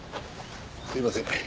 すみません。